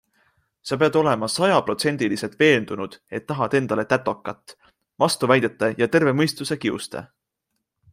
Sa pead olema sajaprotsendiliselt veendunud, et tahad endale tätokat - vastuväidete ja terve mõistuse kiuste.